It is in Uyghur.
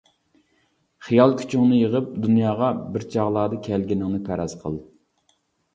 خىيال كۈچۈڭنى يىغىپ، دۇنياغا بىر چاغلاردا كەلگىنىڭنى پەرەز قىل.